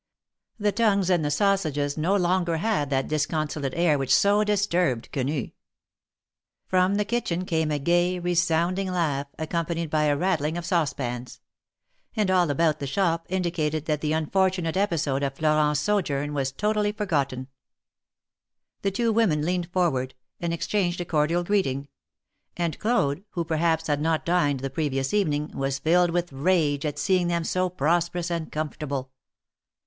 The tongues and the sausages no longer had that discon solate air which so disturbed Quenu. 312 THE MARKETS OP PARIS. From the kitchen came a gay, resounding laugh, accom panied by a rattling of saucepans; and all about the shop indicated that the unfortunate episode of Florent's sojourn was totally forgotten. The two women leaned forward, and exchanged a cordial greeting; and Claude, who perhaps had not dined the previous evening, was filled with rage at seeing them so prosperous and comfortable.